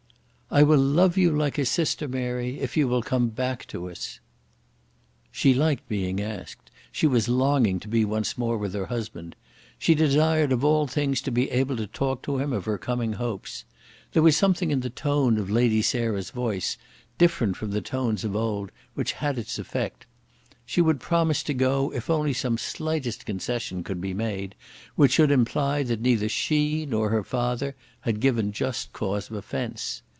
"I will love you like a sister, Mary, if you will come back to us." She liked being asked. She was longing to be once more with her husband. She desired of all things to be able to talk to him of her coming hopes. There was something in the tone of Lady Sarah's voice, different from the tones of old, which had its effect. She would promise to go if only some slightest concession could be made, which should imply that neither she nor her father had given just cause of offence.